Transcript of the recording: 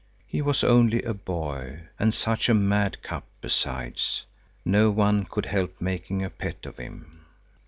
He was only a boy, and such a madcap besides. No one could help making a pet of him.